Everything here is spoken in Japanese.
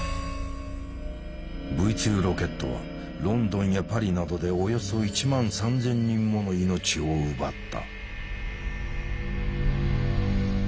Ｖ２ロケットはロンドンやパリなどでおよそ１万３，０００人もの命を奪った。